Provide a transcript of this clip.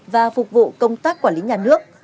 và phục vụ công tác quản lý nhà nước